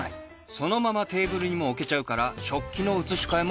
そのままテーブルにも置けちゃうから食器の移し替えも不要！